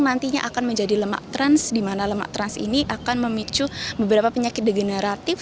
nantinya akan menjadi lemak trans di mana lemak trans ini akan memicu beberapa penyakit degeneratif